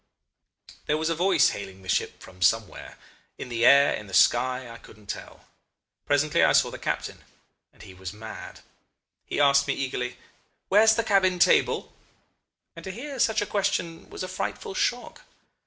"There was a voice hailing the ship from somewhere in the air, in the sky I couldn't tell. Presently I saw the captain and he was mad. He asked me eagerly, 'Where's the cabin table?' and to hear such a question was a frightful shock.